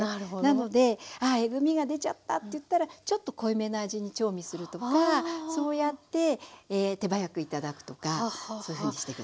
なのでああえぐみが出ちゃったっていったらちょっと濃いめの味に調味するとかそうやって手早く頂くとかそういうふうにして下さい。